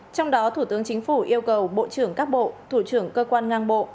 trong đó thủ tướng chính phủ yêu cầu bộ trưởng các bộ thủ trưởng cơ quan ngang bộ